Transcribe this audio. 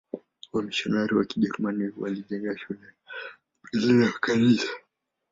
Wamisionari wa Kijerumani walijenga shule mbili na kanisa.